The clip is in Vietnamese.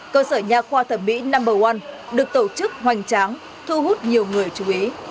cơ sở nhà khoa thẩm mỹ no một được tổ chức hoành tráng thu hút nhiều người chú ý